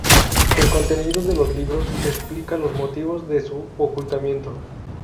El contenido de los libros explica los motivos de su ocultamiento.